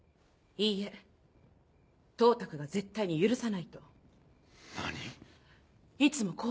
いいえ董卓が「絶対に許さない」と。